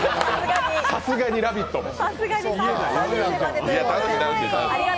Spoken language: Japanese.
さすがに「ラヴィット！」も。